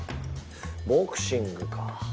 ボクシングか。